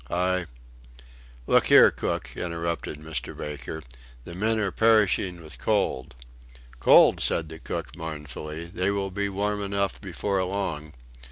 I " "Look here, cook," interrupted Mr. Baker, "the men are perishing with cold." "Cold!" said the cook, mournfully; "they will be warm enough before long."